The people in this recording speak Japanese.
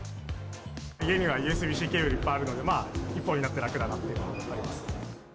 家にはＵＳＢーＣケーブルいっぱいあるので、１本になって楽だなっていうのがあります。